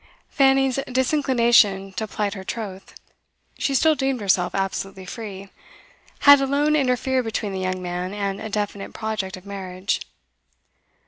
Fanny's disinclination to plight her troth she still deemed herself absolutely free had alone interfered between the young man and a definite project of marriage.